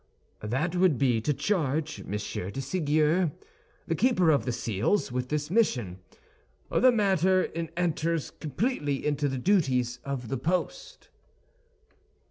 "That would be to charge Monsieur de Séguier, the keeper of the seals, with this mission. The matter enters completely into the duties of the post."